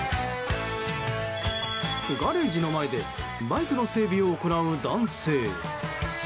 ガレージの前でバイクの整備を行う男性。